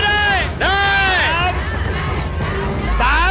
ได้ไม่ได้